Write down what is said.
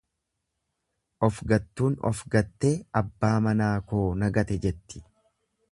Of gattuun of gattee abbaa manaa koo na gate jetti.